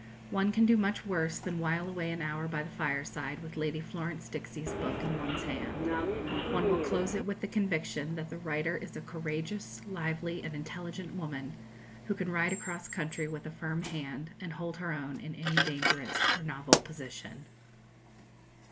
One can do much worse than while away an hour by the fireside with Lady Florence Dixie's book in one's hand. One will close it with the conviction that the writer is a courageous, lively, and intelligent woman, who can ride across country with a firm hand, and hold her own in any dangerous or novel position.